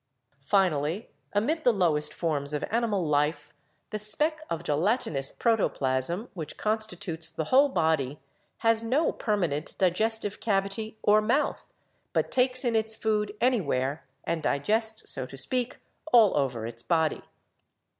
Finally amid the lowest forms of animal life the speck of gelatinous protoplasm, which constitutes the whole body, has no permanent diges tive cavity or mouth, but takes in its food anywhere and digests, so to speak, all over its body.